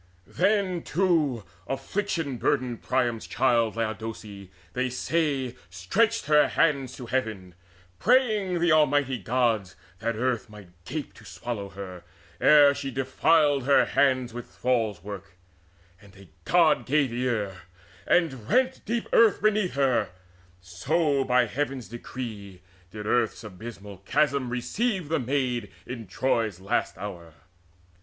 Then, too, affliction burdened Priam's child, Laodice, say they, stretched her hands to heaven, Praying the mighty Gods that earth might gape To swallow her, ere she defiled her hand With thralls' work; and a God gave ear, and rent Deep earth beneath her: so by Heaven's decree Did earth's abysmal chasm receive the maid In Troy's last hour.